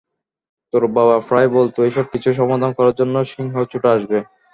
তোর বাবা প্রায়ই বলতো এসব কিছু সমাধান করার জন্য সিংহ ছুটে আসবে।